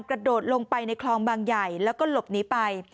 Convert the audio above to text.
กระโดดลงไปในคลองบางใหญ่แล้วก็หลบหนีไป